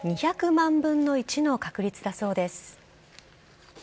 ２００万分の１の確率だそうです。